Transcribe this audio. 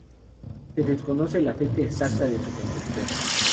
Se desconoce la fecha exacta de su construcción.